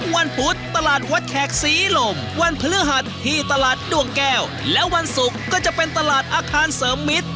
วันพุธตลาดวัดแขกศรีลมวันพฤหัสที่ตลาดดวงแก้วและวันศุกร์ก็จะเป็นตลาดอาคารเสริมมิตร